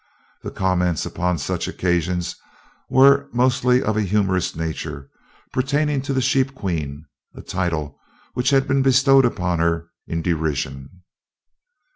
The comments upon such occasions were mostly of a humorous nature, pertaining to the "Sheep Queen," a title which had been bestowed upon her in derision.